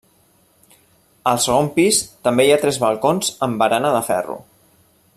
Al segon pis, també hi ha tres balcons amb barana de ferro.